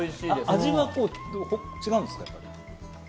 味は違うんですか？